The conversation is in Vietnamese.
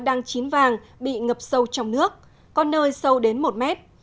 đang chín vàng bị ngập sâu trong nước có nơi sâu đến một mét